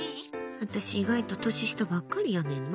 あたし、意外と年下ばっかりやねんな。